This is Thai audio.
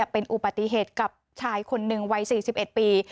เป็นอุบัติเหตุกับชายคนหนึ่งวัย๔๑ปี